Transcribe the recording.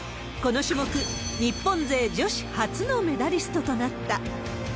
この種目、日本勢女子初のメダリストとなった。